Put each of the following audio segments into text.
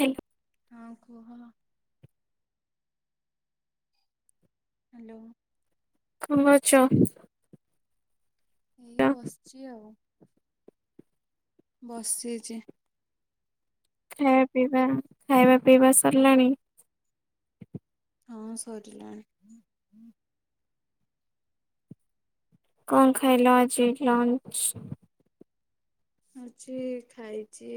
Hello. ହଁ କୁହ? Hello. କଣ କରୁଛ? ଏଇ ବସିଛି ଆଉ ବସିଛି। ଖାଇବା ପିଇବା ଖାଇବା ପିଇବା ସରିଲାଣି? ହଁ ସରିଲାଣି। କଣ ଖାଇଲ ଆଜି ଲଞ୍ଚ୍? ଆଜି ଖାଇଚି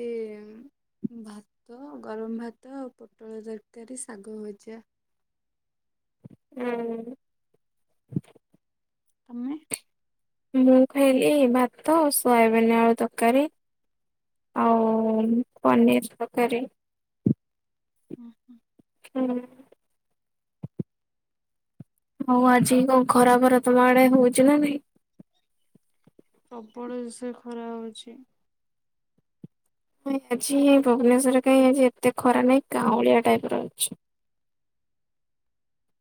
ଭାତ ଗରମ ଭାତ ଆଉ ପୋଟଳ ତରକାରୀ ଶାଗ ଭଜା। ହୁଁ। ତମେ? ମୁଁ ଖାଇଲି ଭାତ ଆଉ ସୋୟାବନି ଆଳୁ ତରକାରୀ। ଆଉ ପନିର୍ ତରକାରୀ। ହଁ ହଁ। ହୁଁ। ହଉ ଆଜି କଣ ଖରାବରା ତମ ଆଡେ ହଉଚି ନା ନାହିଁ? ପ୍ରବଳ ଯୋସେ ଖରା ହଉଛି। ନାଁଇ ଆଜି ଭୁବନେଶରେ କାଇଁ ଆଜି ଏତେ ଖରା ନାଇଁ କାଉଁଳିଆ ଟାଇପ୍ ର ଅଛି।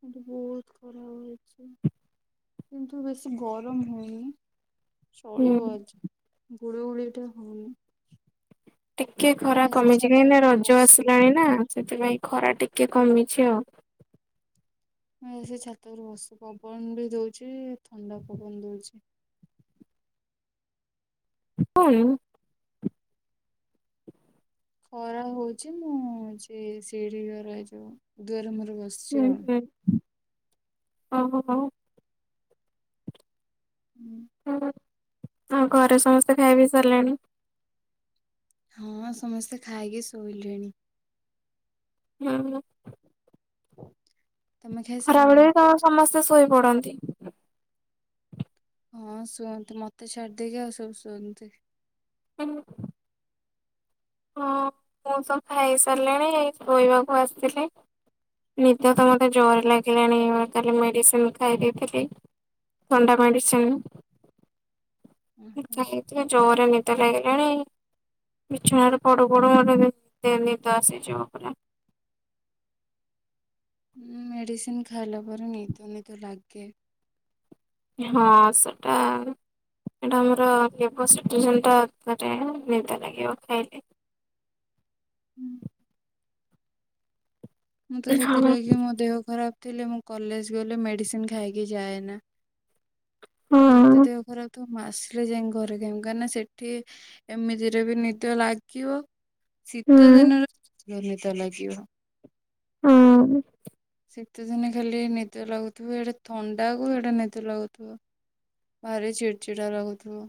ଏଠି ବହୁତ୍ ଖରା ହଉଚି କିନ୍ତୁ ବେଶୀ ଗରମ୍ ହୁଏନି। ହୁଁ ଚାଲିବ ଆଜି ଗୁଳୁଗୁଳି ଏଠି ହଉନି। ଟିକେ ଖରା ମୁଁ ଆସି କମିଚି କାହିଁ ଛାତ ନା ଉପରେ ରଜ ଆସିଲାଣି ବସିଛି ନା ସେଥିପାଇଁ ଖରା ଟିକେ କମିଚି ଉ। ମୁଁ ସେ ଛାତ ଉପରେ ବସି ପବନ ବି ଦଉଚି ଥଣ୍ଡା ପବନ ଦଉଚି। [inaudible] ଖରା ହଉଚି ମୁଁ ଯେ ସିଢି ଘରେ ଯୋଉ ଦୁଆରେ ମୁହଁରେ ବସ ଉ ହୁଁ ଓହୋ। ହୁଁ। ହଁ ଘରେ ସମସ୍ତେ ଖାଇ ପିଇ ସାରିଲେଣି। ହଁ ସମସ୍ତେ ଖାଇକି ଶୋଇଲେଣି। ନାଁଇ ମ। [unintelligible] ଖରାବେଳେ ଖାଇସାରିଲଣି? ବି ତମ ସମସ୍ତେ ଶୋଇପଡନ୍ତି? ହଁ ଶୁଅନ୍ତି ମତେ ଛାଡିଦେଇକି ଆଉ ସବୁ ଶୁଅନ୍ତି। [unintelligible] ହଁ ମୁଁ ତ ଖାଇ ସାରିଲିଣି ଏଇ ସୋଇବାକୁ ଆସିଥିଲି। ନିଦ ତ ମତେ ଜୋରେ ଲାଗିଲାଣି କାଲି ମେଡ଼ିସିନ୍ ଖାଇ ଦେଇଥିଲି ଥଣ୍ଡା ମେଡ଼ିସିନ୍। ଓହୋ [unintelligible] ଜୋରେ ନିଦ ଲାଗିଲାଣି ବିଛଣା ରେ ପଡୁ ପଡୁ ମତେ ନି ନିଦ ଆସିଯିବ ପୁରା। ହୁଁ ମେଡ଼ିସିନ୍ ଖାଇଲା ପରେ ନିଦ ନିଦ ଲାଗେ। ହଁ ସେଟା ଟା ଆମର ଲିଭୋସେଟ୍ରିଜିନ୍ ଟା [inaudible] ନିଦ ଲାଗିବ ଖାଇଲେ। ହୁଁ। ମୁଁ ତ ହଁ ସେଥିଲାଗି ମୋ ଦେହ ଖରାପ୍ ଥିଲେ ମୁଁ କଲେଜ୍ ଗଲେ ମେଡ଼ିସିନ୍ ଖାଇକି ଯାଏନା। ଯେତେ ହଁ ଦେହ ଖରାପ ଥାଉ ମୁଁ ଆସିଲେ ଜାଇକି ଘରେ ଖାଇବି କାହିଁକି ନା ସେଠି ଏମିତିରେ ବି ନିଦ ଲାଗିବ ଶୀତ ହୁଁ ଦିନରେ ନିଦ ଲାଗିବ। ହଁ। ଶୀତ ଦିନେ ଖାଲି ନିଦ ଲାଗୁଥିବ ଇଆଡ଼େ ଥଣ୍ଡାକୁ ଇଆଡେ ନିଦ ଲାଗୁଥିବ। ଭାରି ଚିଡ଼ି ଚିଡା ଲାଗୁଥିବ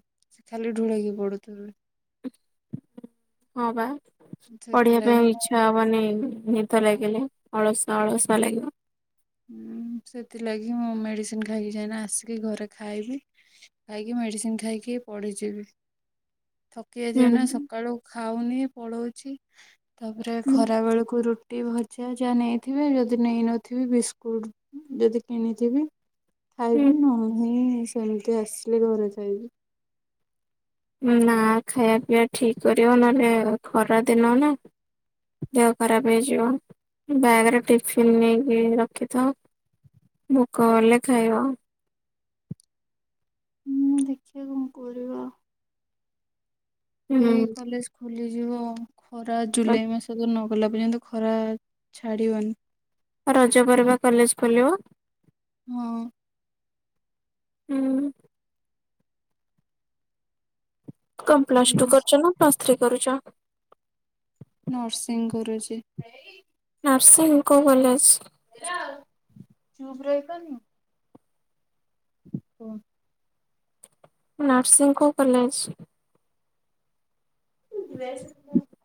ଖାଲି ଢୁଳେଇକି ପଡୁଥିବି। ହଁ ବା ପଢିବା ପାଇଁ ସେଥିଲାଗି ଆଉ ମୁଁ ଇଛା ହବନି ନିଦ ଲାଗିଲେ ଅଳସୁଆ ଅଳସୁଆ ଲାଗିବ। ଉଁ ସେଥିଲାଗି ମୁଁ ମେଡ଼ିସିନ ଖାଇକି ଯାଏନା ଆସିକି ଘରେ ଖାଇବି। ଖାଇକି ମେଡିସିନ ଖାଇକି ପଡିଯିବି। ଥକି ହୁଁ ଯାଇଥିବି ନା ସକାଳୁ ଖାଉନି ପଳଉଚି। ତାପରେ ହୁଁ ଖରା ବେଳକୁ ରୁଟି ଭଜା ଯାହା ନେଇଥିବି ଯଦି ନେଇନଥିବି ବିସ୍ ସ୍କୁଟ ଯଦି କିଣିଥିବି ହୁଁ ଖାଇବି ନହଲେ ନାଇଁ। ସେମତି ଆସିଲେ ଘରେ ଖାଇବି। ନା ଖାଇବା ପିଇବା ଠିକ କରିବ ନହେଲେ ଖରା ଦିନ ନା। ଦେହ ଖରାପ ହେଇଯିବ ବ୍ୟାଗରେ ଟିଫିନ ନେଇକି ରଖିଥ। ଭୋକ ଗଲେ ଖାଇବ। ହୁଁ ଦେଖିବା କଣ କରିବା। ଏବେ ହୁଁ କଲେଜ ଖୋଲିଯିବ ଖରା ଜୁଲାଇ ମାସ ତାଗୁ ନଗଲା ପର୍ଯ୍ୟନ୍ତ ଖରା ଛାଡ଼ିବନି। ଆ ରଜ ପରେ ବା କଲେଜ ଖୋଲିବ। ହଁ। ହୁଁ। କମ ପ୍ଲସ ଟୁ କଲେଜ କରୁଛ ନା ପ୍ଲସ ଥ୍ରୀ କରୁଛ? ନର୍ସିଂ କରୁଛି। ନର୍ସିଂ କୋଉ କଲେଜ୍? [unintelligible] ଚୁପ୍ ରହି ପାରୁନୁ? କୁହ? ନର୍ସିଂ କୋଉ କଲେଜ? [unintelligible]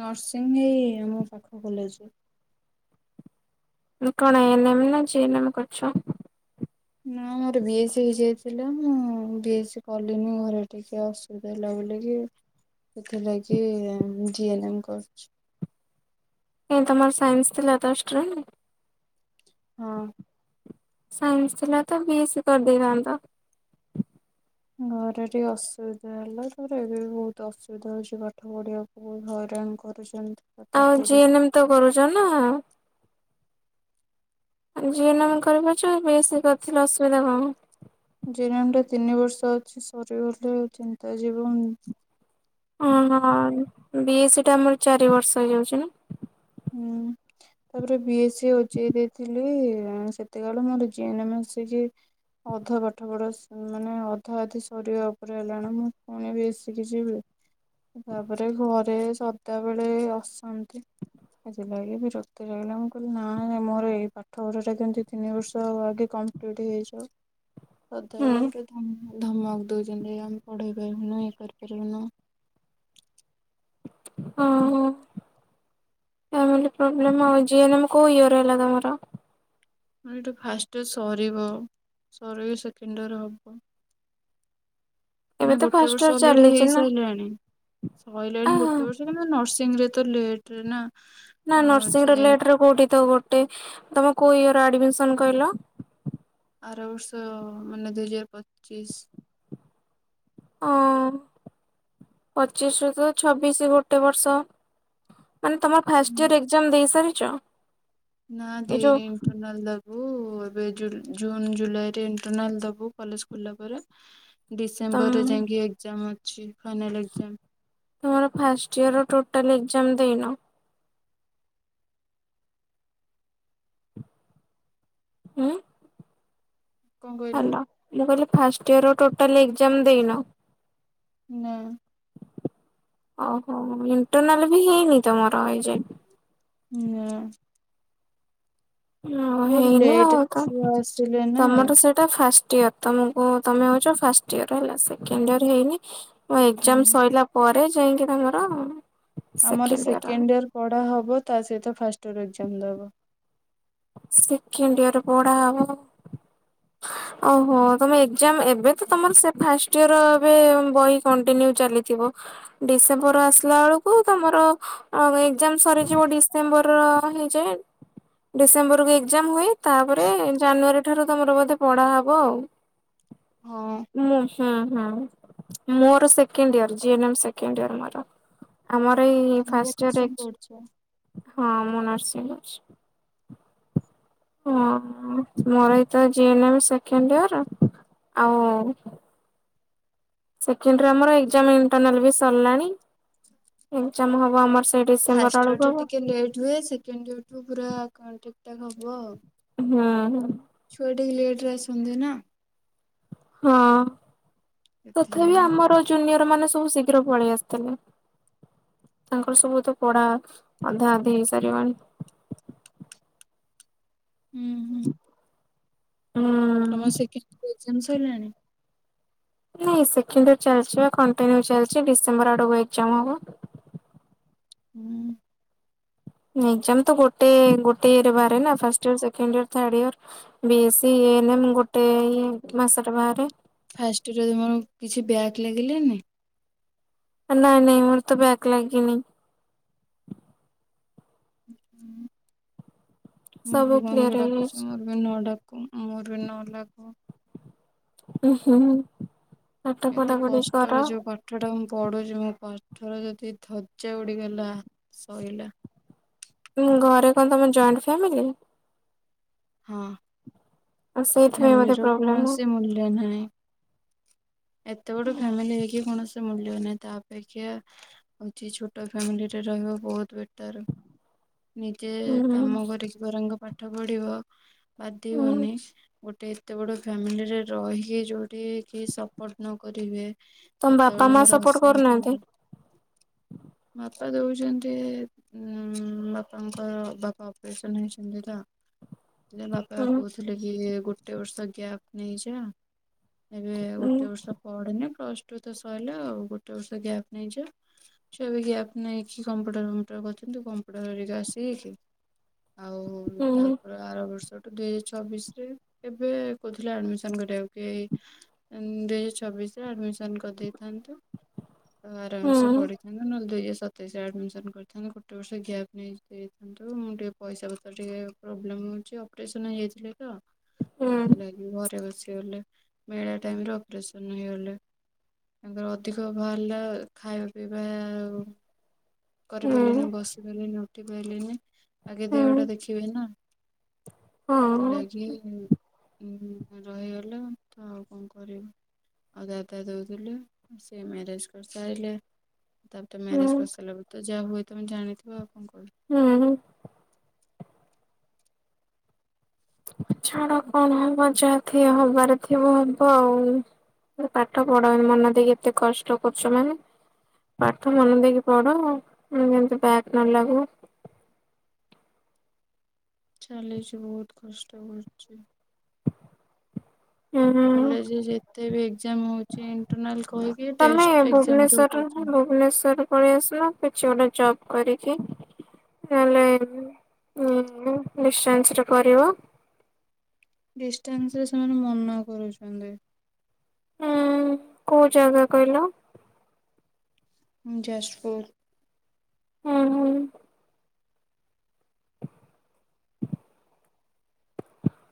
ନର୍ସିଂ ଏଇ ଆମ ପାଖ କଲେଜେ। ତମେ କଣ ଏନେ ଏମ୍ ନା ଜିଏ ନେମ୍ କରୁଛ? ନା ମୋର ବିଏସି ହେଇ ଯାଇଥିଲା ମୁଁ ବିଏସି କଲିନି ଘରେ ଟିକେ ଅସ [unintelligible] କି ସେଥିଲାଗି ଜିଏନେମ କରୁଛି। ନାଇଁ ତମର ସାଇନ୍ସ ଥିଲାତ ଅଷ୍ଟ୍ରମ। ହଁ। ସାଇନ୍ସି ଥିଲା ତ ବିଏସି କରିଦେଇଥାନ୍ତ। ଘରେ ଟିକେ ଅସୁବିଧା ହେଲା ତାପରେ ଏବେ ବି ବହୁତ ଅସୁବିଧା ହଉଛି ପାଠ ପଢିବା ବହୁତ ହଇରାଣ କରୁଛନ୍ତି। ଦାଦା ଆଉ ଖୁଡି ଜିଏନେମ ତ କରୁଛ ନା? ଜିଏନମ୍ କରିପାରୁଛ ବିଏଶି କରିଥିଲେ ଅସୁବିଧା କଣ? ଜିଏନେମ ଟା ତିନି ବର୍ଷ ଅଛି ସରିଗଲେ ଚିନ୍ତା ଜୀବ ଉଁ। ଓହୋ ବି ଏ ସି ଟା ଆମର ଚାରି ବର୍ଷ ହେଇଯାଉଛି ନା? ହୁଁ ତାପରେ ବିଏସି ଓଜେଇ ଦେଇଥିଲି ଥିଲି ସେତେକାଳୁ ମୋର ଜିଏନେମ ଆସିକି ଅଧା ପାଠ ପଢା ସ ମାନେ ଅଧା ଅଧି ସରିବା ଉପରେ ହେଲାଣି ମୁଁ ପୁଣି ବି ଏସିକି ଯିବି। ତାପରେ ଘରେ ସଦାବେଳେ ଅସାନ୍ତି। ସେଥିଲାଗି ବିରକ୍ତି ଲାଗିଲା ମୁଁ କହିଲି ନାଇଁ ନାଇଁ ମୋର ଏଇ ପାଠ ଘରଟା ଦି ତିନି ବର୍ଷ ଆଗେ କମ ମ୍ପ୍ଲି ଟି ହେଇଯାଉ। [inaudible] ସଦାବେଳେ ହୁଁ ଗୋଟେ ଧମ ଧମକ ଦଉଛନ୍ତି ଆମେ ପଢେଇ ପାରିବୁନୁ ଇଏ କରିପାରିବୁନୁ। ଅଁ ହଁ। ଫାମିଲି ପ୍ରୋବ୍ଲେମ୍ ଆଉ ଯିନମ କଉ ୟଏର ହେଲା ତମର ମ ଏଇଠି ଫାଷ୍ଟ ସରିବ ସରି କି ସେକେଣ୍ଡରେ ହବ ଏବେ ମାନେ ତ ଗୋଟେ ଫାଷ୍ଟ ଇୟର ବର୍ଷ ଅଲରେଡି ଚାଲିଛି ନା ହେଇସାରିଲାଣି ଆ ସରିଲାଣି ଗୋଟେ ବର୍ଷ ନର୍ସିଂ ରେ ତ ଲେଟରେ ନା ନା ହଉଛି ନର୍ସିଂରେ ଯାଇକି ଲେଟରେ କୋଉଠି ତ ଗୋଟେ ତମେ କୋଉ ଇୟର ଆଡମିସନ କହିଲ ଆର ବର୍ଷ ମାନେ ଦୁଇହଜାର ପଚିଶ ଓ ହ ପଚିଶ ରୁ ତ ଛବିଶ ଗୋଟେ ବର୍ଷ ମାନେ ତମର ଫାଷ୍ଟ ଇୟର୍ ଏକ୍ଜାମ ଦେଇସାରିଛ ନାଁ ଦେଇନି ଏଣ୍ଟରନାଲ ଦବୁ ଏବେ ଜୁନ ଜୁଲାଇ ରେ ଇଣ୍ଟରନାଲ ଦବୁ କଲେଜ ଖୋଲୀଲା ପରେ ଡିସେମ୍ବରରେ ତମ ଯାଇକି ଏକ୍ଜାମ୍ ଅଛି ଫାଇନାଲ୍ ଏକ୍ଜାମ୍। ତମର ଫାଷ୍ଟ ଇୟର ଟୋଟାଲ୍ ଏକ୍ଜାମ ଦେଇନ। ହୁଁ। କଣ କହିଲ ହାଲୋ ମୁଁ କହିଲି ଫାଷ୍ଟ ଇୟର ଟୋଟାଲ ଏକ୍ଜାମ ଦେଇନ। ନା ଓହୋ ଇଣ୍ଟରନାଲ ବି ହେଇନି ତମର ଏଇ ଯାଏ। ନାଁ। ହଁ ବହୁତ ହେଇନି ଲେଟ ଆଉ ତ ଛୁଆ ଆସିଲେ ନା। ତମର ସେଠେ ଫାଷ୍ଟ ଇୟର ତମକୁ ତମେ ହଉଛ ଫାଷ୍ଟ ଇୟର ହେଲା ସେକେଣ୍ଡ ଇୟର ହେଇନି। ତମ ହୁଁ। ଏଜାମ ସରିଲା ପରେ ଯାଇକି ତାଙ୍କର ଆମର ସେକେଣ୍ଡ ଇୟର୍ ପଢ଼ା ହବ ତା ସହିତ ଫାଷ୍ଟ ଇୟର ଏଜାମ ଦେବ। ସେକେଣ୍ଡିୟର ପଢା ହବ। ଓହୋ ତମେ ଏଜାମ ଏବେ ତ ତମର ସେ ଫାଷ୍ଟ ଫାଷ୍ଟଇୟର ଏବେ ବହି କଣ୍ଟିନ୍ୟୁ ଚାଲିଥିବ। ଡିସେମ୍ବର ଆସିଲା ବେଳକୁ ତମର ଆଉ ଏଜାମ ସରିଯିବ ଡିସେମ୍ବର ହେଇଯାଏ। ଡିସେମ୍ବର କୁ ଏକ୍ଜାମ ହୁଏ। ତାପରେ ଜାନୁଆରୀ ଠାରୁ ତମର ବୋଧେ ପଢା ହବ ଆଉ। ହଁ ମୁଁ ହୁଁ ହୁଁ ମୋର ସେକେଣ୍ଡଇର [unintelligible] ସେକେଣ୍ଡୟର ମୋର। ଆମର ଏଇ ତମେ ବି ଫାଷ୍ଟୟର ନର୍ସିଂ ଏଜା ପଢୁଛ। ହଁ ମୁଁ ନର୍ସିଂ କରୁଛି। ହଁ ମୋର ଏଇ ତ ଜିଅନୋମି ସେକେଣ୍ଡଇର ଆଉ। ସେକେଣ୍ଡରେ ଆମର ଏକ୍ଜାମ ଇଣ୍ଟରନାଲ ବି ସରିଲାଣି ଏକ୍ଜାମ ହବ ଆମର। ସେଇ ଡିସେମ୍ବର ଫାଷ୍ଟ ଇୟର ବେଳକୁ ହବ ଟା ଟିକେ ଲେଟ୍ ହୁଏ ସେକେଣ୍ଡ ଇୟଠୁ ପୁରା କଣ ଠିକଠାକ୍ ହବ ଆଉ। ହୁଁ ହୁଁ। ଛୁଆଟିକେ ଲେଟରେ ଆସନ୍ତି ନା। ହଁ ତଥାପି ସେଥିଲାଗି। ଆମର ଜୁନିୟର ମାନେ ସବୁ ଶୀଘ୍ର ପଳେଇ ଆସିଥିଲେ। ତାଙ୍କର ସବୁ ତ ପଢା ଅଧା ଅଧି ହେଇ ସାରିବଣି। ହୁଁ। ହୁଁ। ତମ ସେ ସେକଣ୍ଡିୟର ଏକ୍ଜାମ ସଇଲାଣି? ନାଇଁ ସେକେଣ୍ଡିଇୟର ଚାଲିଛି। ବା କଣ୍ଟିନ୍ୟୁ ଚାଲିଛି ଡିସେମ୍ବର ଆଡକୁ ଏକ୍ଜାମ ହବ। ହୁଁ। ଏକ୍ଜାମ ତ ଗୋଟେ ଗୋଟେ ଇୟରେ ବାହାରେ ନା ଫାଷ୍ଟ ଇୟର ସେକେଣ୍ଡି ଇୟର ଥାଡ଼ ଇୟର। ବିଏସି ଏନମ୍ ମେ ଗୋଟେଇ ମାସରେ ବାହାରେ। ଫାଷ୍ଟରେ ମୋର କିଛି ବ୍ୟାକ୍ ଲେଗେଲେନି। ନାଇଁ ନାଇଁ ମୋର ତ ବ୍ୟାକ୍ ଲାଗିନି। [inaudible] ମୁଁ ସବୁ କ୍ଲିୟର ଭଗବାନଙ୍କୁ ଡାକୁଛି, ହେଇଯାଇଛି ମୋର ବି ନ ଡାକୁ, ମୋର ବି ନ ଲାଗୁ। ଉହୁଁ ପାଠ ପଢାପଢି କର। ପାଠ ଟା ମୁଁ ପଢୁଛି ମୋ ପାଠର ଯଦି ଧଜା ଉଡିଗଲା ସଇଲା। ଘରେ କଣ ତମ ଜଏଣ୍ଟ ଫ୍ୟାମିଲି? ହଁ, ଆଉ ସେ ସେଇଥିପାଇଁ ବୋଧେ ଫାମିଲିର ପ୍ରୋବ୍ଲେମ୍ କୌଣସି ମୂଲ୍ୟ ନାହିଁ। ଏତେ ବଡ ଫ୍ୟାମିଲି ହେଇକି କୌଣସି ମୂଲ୍ୟ ନାହିଁ। ତା ଅପେକ୍ଷା ଆଉ ଟିଏ ଛୋଟ ଫ୍ୟାମିଲିରେ ରହିବା ବହୁତ ବେଟର। ନିଜେ ହୁଁ କାମ କରିକି ବରଙ୍କ ପାଠ ପଢିବ ହୁଁ। ବାଧିବନି। ଗୋଟେ ଏତେ ବଡ ଫ୍ୟାମିଲିରେ ରହିକି ଯୋଉଠି କିଏ ସପୋର୍ଟ ନଁ କରିବେ ତମ ବାପା, ସଦାବେଳେ ମାଁ, ଘର ସପୋର୍ଟ ଅଶାନ୍ତି କରୁନାହାନ୍ତି? ମତେ ଦଉଛନ୍ତି ଉଁ ବାପାଙ୍କର ବାପା ଅପରେସନ ହେଇଛନ୍ତି ତ ଯାଆ ବାପା ହୁଁ କହୁଥିଲେ କି, ଗୋଟେ ବର୍ଷ ଗ୍ୟାପ୍ ନେଇଯା। ଏବେ ହୁଁ ଗୋଟେ ବର୍ଷ ପଡେନି, ପ୍ଲସ ଟୁ ତ ସରିଲା, ଆଉ ଗୋଟେ ବର୍ଷ ଗ୍ୟାପ୍ ନେଇଯା। ଅଛି ଅବି ଗ୍ୟାପ୍ ନେଇଛି କମ୍ପ୍ୟୁଟର ଫମ୍ପ୍ୟୁଟର କରୁଚନ୍ତି, କମ୍ପ୍ୟୁଟର [unintelligible] ଆଉ ହୁଁ ତାପ୍ ପୁରା ଆର ବର୍ଷଠୁ ଦୁଇ ଛୁଆ ବିଶରେ ଏବେ କହୁଥିଲା, ଆଡମିସନ୍ କରିବାକୁ କେଇ? [unintelligible] ଚବିଶରେ ଆଡମିସନ୍ କରିଦେଇଥାନ୍ତି ଆରାମସେ ହୁଁ। ପଢିଥାନ୍ତୁ ନହେଲେ ଦୁଇ ବସତ୍ ତେଇଶରେ ଆଡ଼ମିସନ୍ କରିଥାନ୍ତି ଗୋଟେ ବର୍ଷ ଗ୍ୟାପ୍, [unintelligible] ମୁଁ ଟିକେ ପଇସା ପତ୍ର ଟିକେ ପ୍ରାବ୍ଲେମ୍ ହଉଛି, ଅପରେସନ୍ ହେଇଯାଇଥିଲି ତ, ହୁଁ ସେଥିଲାଗି ଘରେ ବସିଗଲେ ମେଳା ଟାଇମରେ ଅପରେସନ୍ ହେଇଗଲେ। ତାଙ୍କର ଅଧିକ ଭଲ ଖାଇବା ପିଇବା ଆଉ ହୁଁ କରିପାରିଲିନି, ବସି ପାରିଲିନି, ଉଠି ପାଇଲିନି, ଆଗେ ଦେହ ହୁଁ ଟା ଦେଖିବେ ନା। ହଁ ସେଥିଲାଗି [unintelligible] ରହିଗଲେ ତ ଆଉ କଣ କରିବୁ। ଆଉ ଦାଦା ଯାଉଥିଲେ, ସେ ମ୍ୟାରେଜ କରିସାଇଲେ ତାପରେ ହୁଁ। ମ୍ୟାରେଜ କରି ସାଇଲା ପରେ ତ ଯାହା ହୁଏ ତମେ ଜାଣିଥିବ, ଆଉ କନ୍ କହିବି। [unintelligible] ଛାଡ କଣ ହବ, ଯାହା ଥିବ ହବର ଥିବ ହବ ଆଉ। ତମେ ପାଠ ପଢା। ମନ ଦେଇକି ଏତେ କଷ୍ଟ କରୁଛ ମାନେ ପାଠ ମନେ ଦେଇକି ପଢ, ଯେମତି ପାଟ ମନ ଲାଗିବ। ଚାଲିଛି ବହୁତ କଷ୍ଟ କରୁଛି। ହୁଁ। କଲେଜରେ ଯେତେ ବି ଏକ୍ଜାମ ହଉଛି ଇଣ୍ଟରନାଲ କହିକି ଟେଷ୍ଟ୍ ଏକ୍ଜାମ ସବୁ କରୁଛନ୍ତ। ଭୁବନେଶ୍ୱର ପଳେଇ ଆସୁନ କିଛି ଗୋଟେ ଜବ୍ କରିକି? ନହେଲେ [unintelligible] କରିବ। ଡିଷ୍ଟାନ୍ସରେ ସେମାନେ ମନା କରୁଛନ୍ତି। [unintelligible] କୋଉ ଜାଗା କହିଲ? ଯାଜପୁର। ଓହୋ।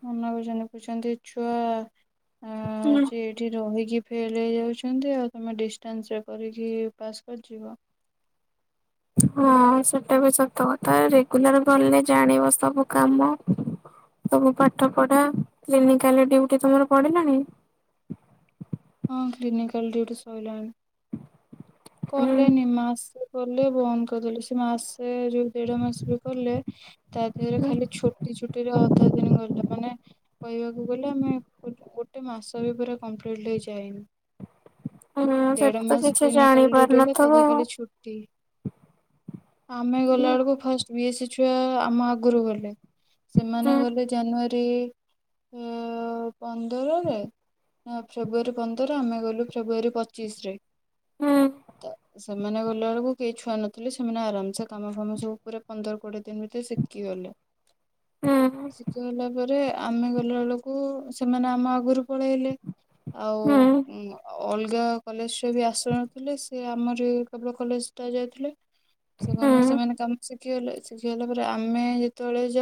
ମନା କରୁଚନ୍ତି କହୁଛନ୍ତି ଛୁଆ [unintelligible] ହୁଁ। ସେଠି ରହିକି ଫେଲ ହେଇଯାଉଛନ୍ତି। ଆଉ ତୁମେ ଡିଷ୍ଟାନ୍ସରେ କରିକି ପାସ୍ କରିଯିବ। ହଁ ସେଇଟା ବି ସତ କଥା। ରେଗୁଲାର ଗଲେ ଜାଣିବ ସବୁ କାମ ସବୁ ପାଠପଢା, କ୍ଲିିନିକାଲି ଡ୍ୟୁଟି ତମର ପଡିଲାଣି? ହଁ କ୍ଲିିନିକାଲି ଡ୍ୟୁଟି ସଇଲାନି। ହୁଁ କଲେନିି ମାସେ କଲେ ବନ୍ଦ କରିଦେଲେ ସିଏ ମାସେ ଯୋଉ ଦେଢ ମାସ ବି କଲେ ତା ଦେହରେ ହୁଁ ଖାଲି ଛୁଟି ଛୁଟିରେ ଅଧା ଦିନ ଗଲା। ମାନେ କହିବାକୁ ଗଲେ ଆମେ ଗୋଟେ ମାସ ବି ପୁର କମ୍ପ୍ଲିଟଲି ଯାଇନୁ। ‌ ହୁଁ ସେଠି ତ କିଛି କ୍ଲିନିକାଲ ଜାଣି ଡ୍ୟୁଟି ହେଲେ ପାରୁନଥିବ ତାଦେହରେ ଆଉ। ଖାଲି ଛୁଟି। ଆମେ ହୁଁ ଗଲାବେଳକୁ ଫାଷ୍ଟ ବି ଏସ୍ ସି ଛୁଆ ଆମ ଆଗରୁ ଗଲେ। ସେମାନେ ହୁଁ ଗଲେ ଜାନୁଆରୀ ଉ ପନ୍ଦରରେ ନା ଫେବୃୟାରୀ ପନ୍ଦର ଆମେ ଗଲୁ ଫେବୃୟାରୀ ପଚିଶରେ। ହୁଁ ତାପରେ ସେୟା ସେମାନେ ଗଲାବେଳକୁ କେହି ଛୁଆ ନଥିଲେ ସେମାନେ ଆରାମସେ କାମ ଫାମ ସବୁ ପୁରା ପନ୍ଦର କୋଡ଼ିଏ ଦିନ ଭିତରେ ଶିଖିଗଲେ। ହୁଁ। ସେ ଗଲା ପରେ ଆମେ ଗଲା ବେଳକୁ ସେମାନେ ଆମ ଆଗୁରୁ ପଳେଇଲେ। ଆଉ ହୁଁ ଅଲଗା କଲେଜ ଛୁଆ ବି ଆସୁ ଥିଲେ ସିଏ ଆମରି କେବଳ କଲେଜଟା ଯାଇଥିଲେ। ସେ କହିଲେ ହୁଁ। ସେମାନେ କାମ ଶିଖି ଶିଖି ଗଲେ ଶିଖିଗଲା ପରେ ଆମେ ଯେତେବେଳେ ଯ